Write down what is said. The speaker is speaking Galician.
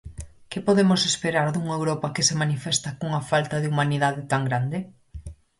Que podemos esperar dunha Europa que se manifesta cunha falta de humanidade tan grande?